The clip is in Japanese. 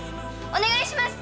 お願いします！